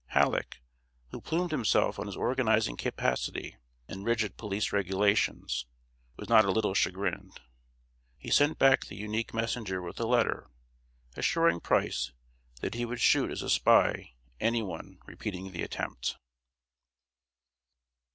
Halleck, who plumed himself on his organizing capacity and rigid police regulations, was not a little chagrined. He sent back the unique messenger with a letter, assuring Price that he would shoot as a spy any one repeating the attempt.